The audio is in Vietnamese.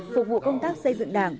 phục vụ công tác xây dựng đảng